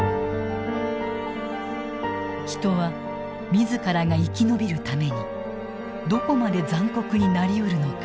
人は自らが生き延びるためにどこまで残酷になりうるのか。